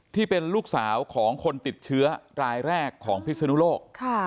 ที่เป็นลูกสาวของคนติดเชื้อรายแรกของพิศนุโลก